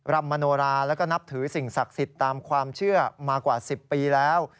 ำมโนราแล้วก็นับถือสิ่งศักดิ์สิทธิ์ตามความเชื่อมากว่า๑๐ปีแล้ว